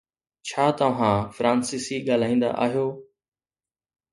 ڇا توهان فرانسيسي ڳالهائيندا آهيو؟